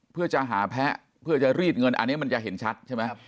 เพื่อจะหาแพ้เพื่อจะรีดเงินอันนี้มันจะเห็นชัดใช่ไหม